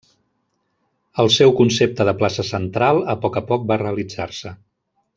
El seu concepte de plaça central a poc a poc va realitzar-se.